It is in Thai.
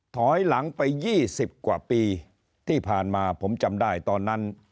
ถอยหลังไป๒๐กว่าปีที่ผ่านมาผมจำได้ตอนนั้น